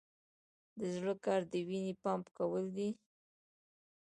د زړه کار د وینې پمپ کول دي